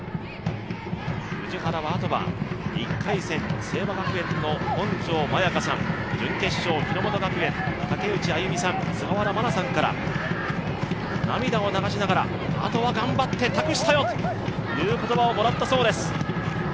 氏原は、あとは１回戦聖和学園の選手準決勝、日ノ本学園、菅原眞名さんから、涙を流しながらあとは頑張って、託したよという言葉をもらったそうです。